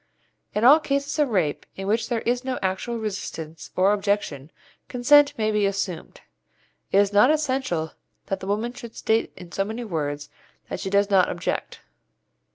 In all cases of rape in which there is no actual resistance or objection, consent may be assumed. It is not essential that the woman should state in so many words that she does not object.